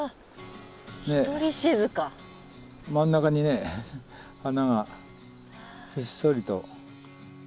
真ん中にね花がひっそりと。